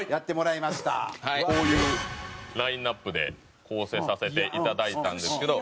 こういうラインアップで構成させて頂いたんですけど。